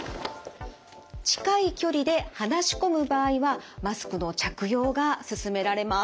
近い距離で話し込む場合はマスクの着用がすすめられます。